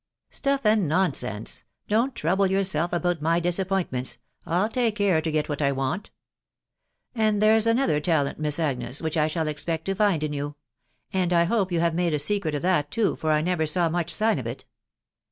" Stuff and nonsense 1 .... Don't trouble yourself about my disappointments — 111 take care to get what I want. ..• And there's another talent, Miss Agnes, wbich I shall expect to find in you ; and I hope you have made a secret of that too, for I never saw much sign of it.